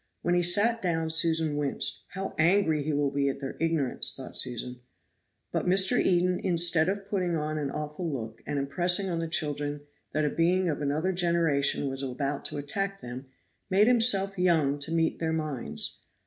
When he sat down Susan winced. How angry he will be at their ignorance! thought Susan. But Mr. Eden, instead of putting on an awful look, and impressing on the children that a being of another generation was about to attack them, made himself young to meet their minds.